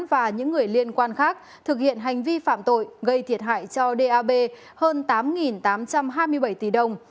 và những người liên quan khác thực hiện hành vi phạm tội gây thiệt hại cho dap hơn tám tám trăm hai mươi bảy tỷ đồng